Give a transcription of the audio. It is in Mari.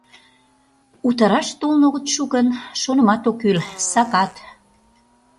— Утараш толын огыт шу гын, шонымат ок кӱл — сакат.